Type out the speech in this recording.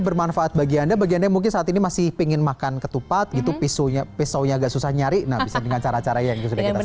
bermanfaat bagi anda bagi anda yang mungkin saat ini masih ingin makan ketupat gitu pisaunya agak susah nyari nah bisa dengan cara cara yang sudah kita sebutkan